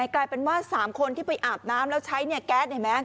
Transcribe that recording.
กลายเป็นว่า๓คนที่ไปอาบน้ำแล้วใช้เนี่ยแก๊สเห็นไหม